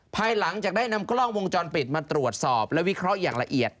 ภายหลังจากได้นำกล้องวงจรปิดมาตรวจสอบและวิเคราะห์อย่างละเอียด